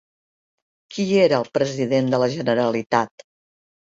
Qui era el president de la Generalitat?